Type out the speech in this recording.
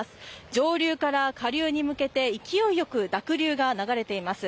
上流から下流に向けて勢いよく濁流が流れています。